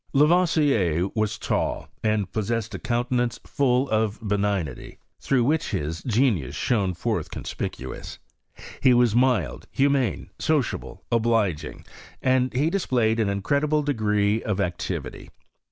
l^voisier was tall, and possessed a countenance full of l>eni^nity, through which his genius shone forth conspicuous. He was mild, humane, sociable^ obli(^ingy and hc displayed an incredible degree of activity.